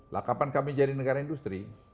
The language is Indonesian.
lah kapan kami jadi negara industri